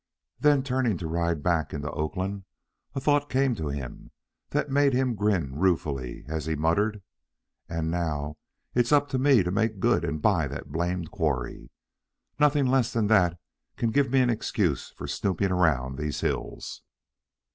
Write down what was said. Then, turning to ride back into Oakland, a thought came to him that made him grin ruefully as he muttered: "And now it's up to me to make good and buy that blamed quarry. Nothing less than that can give me an excuse for snooping around these hills."